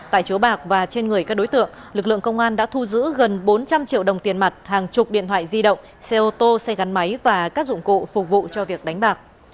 tại chiếu bạc và trên người các đối tượng lực lượng công an đã thu giữ gần bốn trăm linh triệu đồng tiền mặt hàng chục điện thoại di động xe ô tô xe gắn máy và các dụng cụ phục vụ cho việc đánh bạc